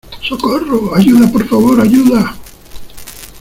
¡ socorro! ¡ ayuda, por favor , ayuda !